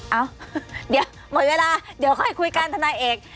เอ้าเดี๋ยวหมดเวลาเดี๋ยวค่อยคุยกันทนายเอก